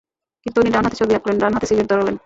কিন্তু ইনি ডানহাতে ছবি আঁকলেন, ডানহাতে সিগারেট ধরালেন।